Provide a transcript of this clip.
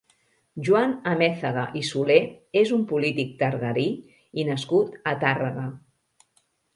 Joan Amèzaga i Solé és un polític targarí i nascut a Tàrrega.